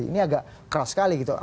ini agak keras sekali gitu